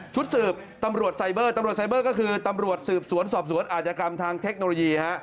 ชุดสืบตำรวจไซเบอร์ตำรวจไซเบอร์ก็คือตำรวจสืบสวนสอบสวนอาจกรรมทางเทคโนโลยีฮะ